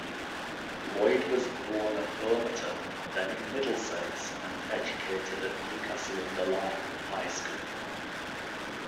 Lloyd was born at Homerton, then in Middlesex, and educated at Newcastle-under-Lyme High School.